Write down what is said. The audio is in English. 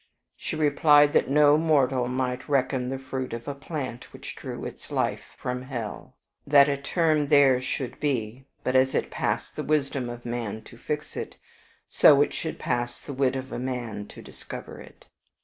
She replied that no mortal might reckon the fruit of a plant which drew its life from hell; that a term there should be, but as it passed the wisdom of man to fix it, so it should pass the wit of man to discover it.